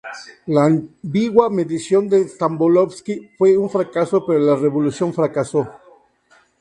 La ambigua mediación de Stamboliski fue un fracaso pero la revolución fracasó.